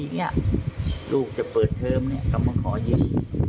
เนี้ยลูกจะเปิดเทอมเนี่ยกำลังขอเย็นอืม